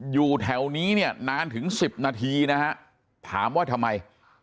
อยู่แถวนี้เนี่ยนานถึง๑๐นาทีนะฮะถามว่าทำไม